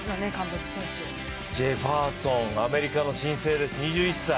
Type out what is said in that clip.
ジェファーソン、アメリカの新星です、２１歳。